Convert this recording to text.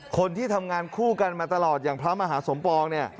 คนที่ทำงานคู่กันมาตลอดอย่างพระมหาสมปองเนี่ย